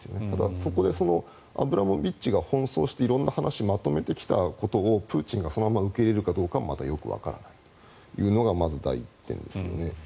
ただ、そこでアブラモビッチが奔走して色んな話をまとめてきたことをプーチンがそのまま受け入れるのかもよくわからないというのがまず第１点ですよね。